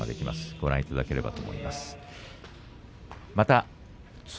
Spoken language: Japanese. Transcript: ご覧いただければと思います。